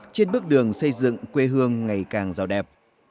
trên bước đường xây dựng quê hương ngày càng giàu đẹp